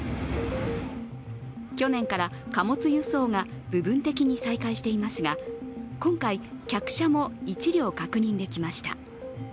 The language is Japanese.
去年から貨物輸送が部分的に再開していますが、今回、客車も１両確認できました。